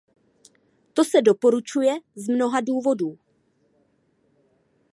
To se doporučuje z mnoha důvodů.